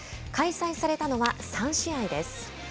開催されたのは３試合です。